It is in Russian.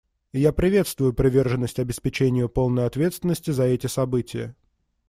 И я приветствую приверженность обеспечению полной ответственности за эти события.